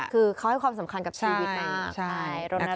คือเขาให้ความสำคัญกับชีวิตมาก